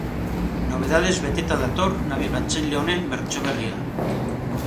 Nobedadez beteta dator nabigatzaile honen bertsio berria.